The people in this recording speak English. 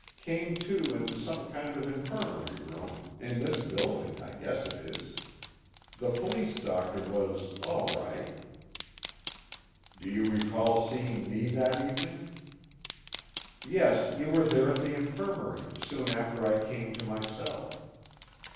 Came to in some kind of infirmary room in this building, I guess it is. The police doctor was all right." "Do you recall seeing me that evening?" "Yes, you were there at the infirmary, soon after I came to myself."